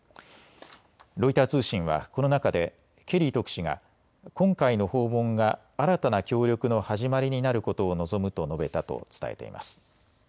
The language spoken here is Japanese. ロイター通信はこの中でケリー特使が今回の訪問が新たな協力の始まりになることを望むと述べたと伝えています。